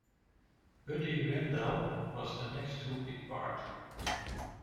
Buddy Randell was the next to depart.